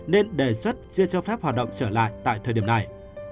nên đề xuất chưa cho phép hoạt động trở lại tại thời điểm này